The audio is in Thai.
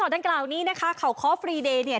ดังกล่าวนี้นะคะเขาคอฟฟรีเดย์เนี่ย